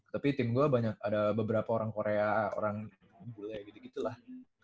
tapi tim gua ada beberapa orang korea orang mule gitu gitu lah